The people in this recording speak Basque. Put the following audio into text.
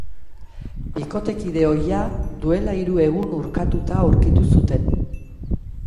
Bikotekide ohia duela hiru egun urkatuta aurkitu zuten.